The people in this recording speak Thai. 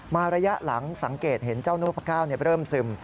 ระยะหลังสังเกตเห็นเจ้านกพระเก้าเริ่มซึม